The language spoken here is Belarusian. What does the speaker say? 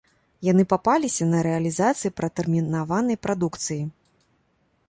Яны папаліся на рэалізацыі пратэрмінаванай прадукцыі.